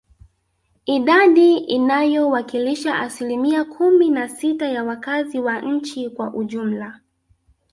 Idadi inayowakilisha asilimia kumi na sita ya wakazi wa nchi kwa ujumla